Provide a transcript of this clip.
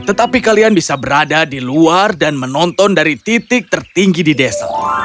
tetapi kalian bisa berada di luar dan menonton dari titik tertinggi di desa